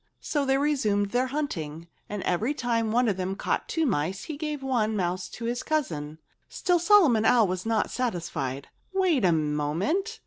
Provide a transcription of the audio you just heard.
So they resumed their hunting. And every time one of them caught two mice, he gave one mouse to his cousin. Still Solomon Owl was not satisfied. "Wait a moment!"